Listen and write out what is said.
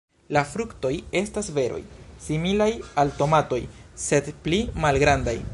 La fruktoj estas beroj similaj al tomatoj, sed pli malgrandaj.